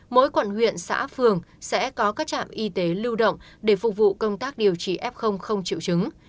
mỗi quận huyện xã phường sẽ có các trạm y tế lưu động để phục vụ công tác điều trị f không triệu chứng